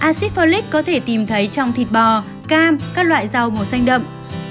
acid folic có thể tìm thấy trong thịt bò cam các loại rau màu xanh đậm